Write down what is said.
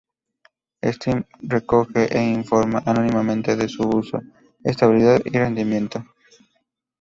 Steam recoge e informa anónimamente de su uso, estabilidad y rendimiento.